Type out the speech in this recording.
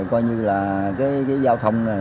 coi như là cái giao thông